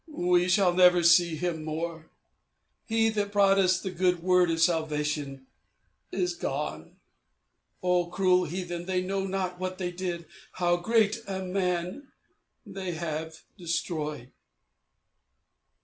We shall never see him more! He that brought us the good word of Salvation is gone! O cruel heathen, they know not what they did! How great a man they have destroyed!"